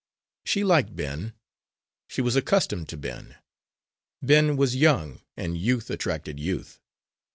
She liked Ben; she was accustomed to Ben. Ben was young, and youth attracted youth.